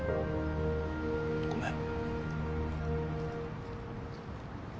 ごめん。